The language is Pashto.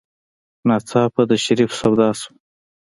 ناڅاپه د شريف سودا شوه.